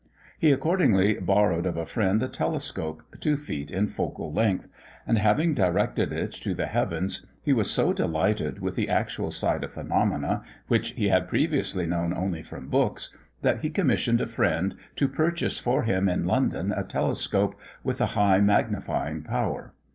He accordingly borrowed of a friend a telescope, two feet in focal length; and, having directed it to the heavens, he was so delighted with the actual sight of phenomena, which he had previously known only from books, that he commissioned a friend to purchase for him in London a telescope, with a high magnifying power.